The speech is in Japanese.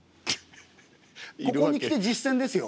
ここにきて実践ですよ。